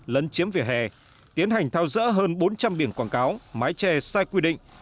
lấn chiếm vỉa hè tiến hành thao dỡ hơn bốn trăm linh biển quảng cáo mái che sai quy định